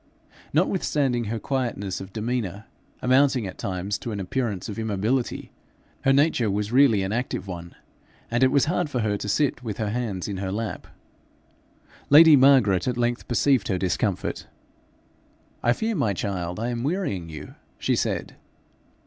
Notwithstanding her quietness of demeanour, amounting at times to an appearance of immobility, her nature was really an active one, and it was hard for her to sit with her hands in her lap. Lady Margaret at length perceived her discomfort. 'I fear, my child, I am wearying you,' she said.